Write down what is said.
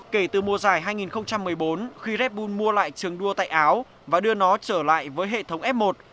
kể từ mùa giải hai nghìn một mươi bốn khi redboul mua lại trường đua tại áo và đưa nó trở lại với hệ thống f một